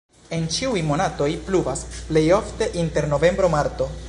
En ĉiuj monatoj pluvas, plej ofte inter novembro-marto.